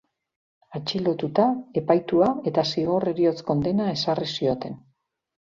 Atxilotuta, epaitua eta zigor heriotz kondena ezarri zioten.